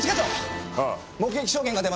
目撃証言が出ました。